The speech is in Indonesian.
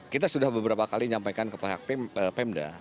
kita sudah beberapa kali menyampaikan kepada pemda